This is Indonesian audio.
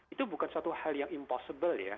itu bukan suatu hal yang impossible ya